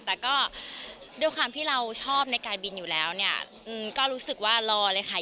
แต่ก็ด้วยความที่เราชอบในการบินอยู่แล้วเนี่ยก็รู้สึกว่ารอเลยค่ะ